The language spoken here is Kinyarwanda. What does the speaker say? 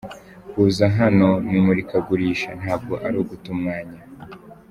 Kuza hano mu imurikagurisha ntabwo ari uguta umwanya”.